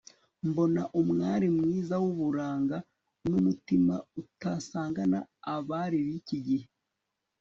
mbona umwari mwiza wuburanga numutima utasangana abari biki gihe